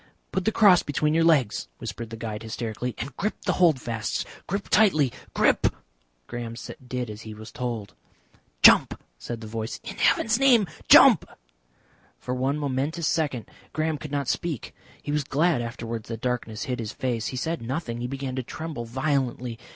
"Put the cross between your legs," whispered the guide hysterically, "and grip the holdfasts. Grip tightly, grip!" Graham did as he was told. "Jump," said the voice. "In heaven's name, jump!" For one momentous second Graham could not speak. He was glad afterwards that darkness hid his face. He said nothing. He began to tremble violently.